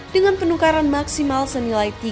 dengan penukaran maksimal senilai tiga tujuh juta rupiah